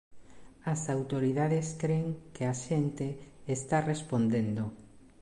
As autoridades cren que a xente está respondendo.